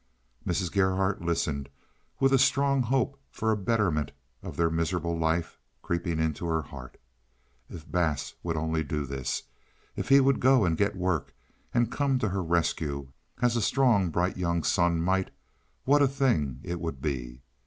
Mrs. Gerhardt listened with a strong hope for a betterment of their miserable life creeping into her heart. If Bass would only do this. If he would go and get work, and come to her rescue, as a strong bright young son might, what a thing it would be!